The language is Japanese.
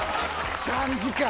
３時間。